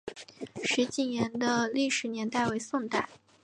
石井岩的历史年代为宋代。